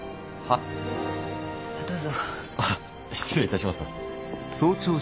あ失礼いたします。